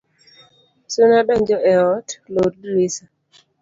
Suna donjo e ot , lor drisha